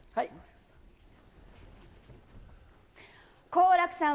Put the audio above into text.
好楽さん。